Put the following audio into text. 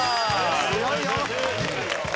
すごいよ！